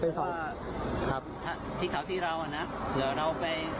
ผมตั้งใจจะช่วยแล้ว